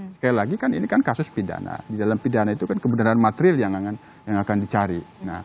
sekali lagi kan ini kan kasus pidana di dalam pidana itu kan kebenaran material yang akan dicari